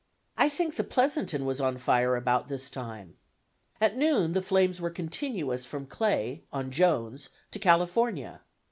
I think the Pleasanton was on fire at about this time. At noon the flames were continuous from Clay, on Jones, to California.